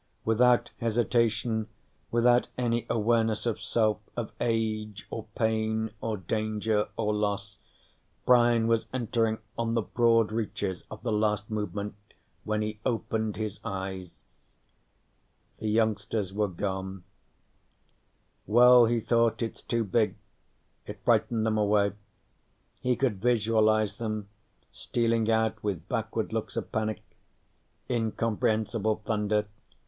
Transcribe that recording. _ Without hesitation, without any awareness of self, of age or pain or danger or loss, Brian was entering on the broad reaches of the last movement when he opened his eyes. The youngsters were gone. Well, he thought, it's too big. It frightened them away. He could visualize them, stealing out with backward looks of panic. Incomprehensible thunder.